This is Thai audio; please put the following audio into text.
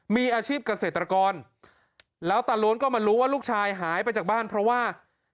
มีอาชีพเกษตรกรแล้วตาล้วนก็มารู้ว่าลูกชายหายไปจากบ้านเพราะว่า